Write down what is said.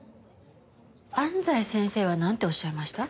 安西先生はなんておっしゃいました？